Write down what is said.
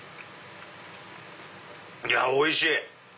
いやおいしい！